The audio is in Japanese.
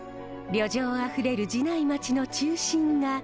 旅情あふれる寺内町の中心が。